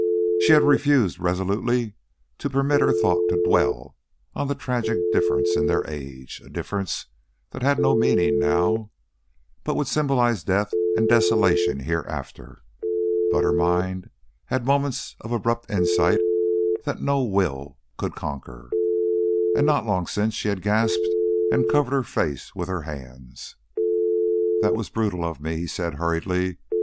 She had refused resolutely to permit her thought to dwell on the tragic difference in their ages, a difference that had no meaning now, but would symbolize death and desolation hereafter; but her mind had moments of abrupt insight that no Will could conquer, and not long since she had gasped and covered her face with her hands. "That was brutal of me," he said hurriedly.